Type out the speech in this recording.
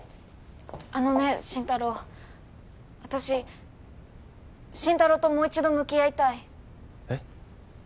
あのね真太郎私真太郎ともう一度向き合いたいえっ？